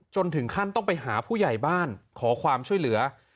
ถึงขั้นต้องไปหาผู้ใหญ่บ้านขอความช่วยเหลือ